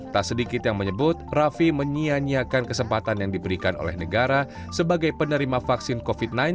tak sedikit yang menyebut rafi menyianyiakan kesempatan yang diberikan oleh negara sebagai penerima vaksin covid sembilan belas